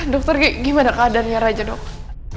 dokter gimana keadaannya raja dokter